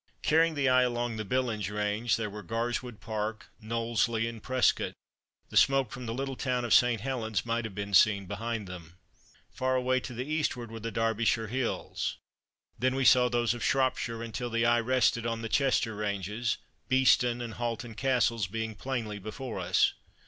Carrying the eye along the Billinge range, there were Garswood park, Knowsley and Prescot; the smoke from the little town of St. Helen's might have been seen behind them. Far away to the eastward were the Derbyshire hills. Then we saw those of Shropshire, until the eye rested on the Chester ranges, Beeston and Halton Castles being plainly before us.